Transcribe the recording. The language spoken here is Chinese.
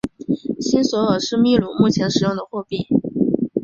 新索尔是秘鲁目前使用的货币。